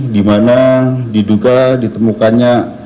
dimana diduga ditemukannya